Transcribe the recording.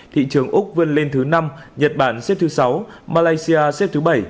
thị trường úc vươn lên thứ năm nhật bản xếp thứ sáu malaysia xếp thứ bảy